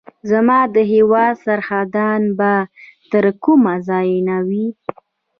زما د هیواد سرحدات به تر کومه ځایه وي.